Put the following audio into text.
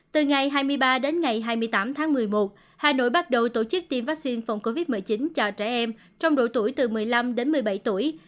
từ ngày hai mươi ba đến ngày hai mươi tám tháng một mươi một hà nội bắt đầu tổ chức tiêm vaccine phòng covid một mươi chín cho trẻ em trong độ tuổi từ một mươi năm đến một mươi bảy tuổi